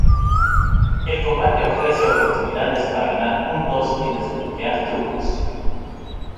El combate ofrece oportunidades para ganar puntos y desbloquear trucos.